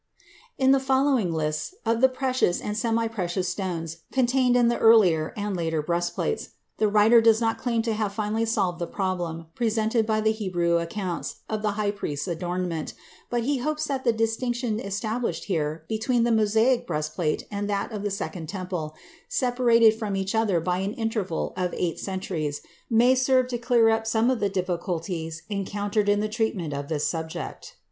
In the following lists of the precious and semi precious stones contained in the earlier and later breastplates, the writer does not claim to have finally solved the problem presented by the Hebrew accounts of the high priest's adornment, but he hopes that the distinction established here between the Mosaic breastplate and that of the Second Temple, separated from each other by an interval of eight centuries, may serve to clear up some of the difficulties encountered in the treatment of this subject.